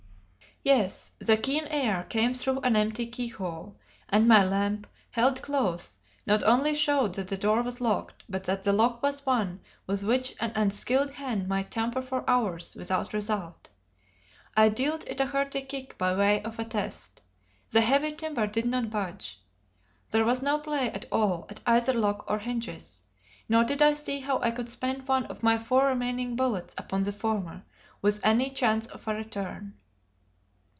Yes, the keen air came through an empty keyhole; and my lamp, held close, not only showed that the door was locked, but that the lock was one with which an unskilled hand might tamper for hours without result. I dealt it a hearty kick by way of a test. The heavy timber did not budge; there was no play at all at either lock or hinges; nor did I see how I could spend one of my four remaining bullets upon the former, with any chance of a return.